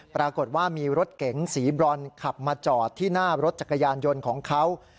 ปรากฏว่ามีรถเก๋งสีบรอนขับมาจอดที่หน้ารถจักรยานยนต์ของเขา